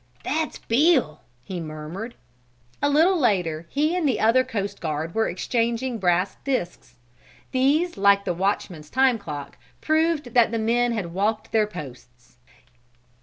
"That's Bill!" he murmured. A little later he and the other coast guard were exchanging brass disks. These, like the watchman's time clock, proved that the men had walked their posts.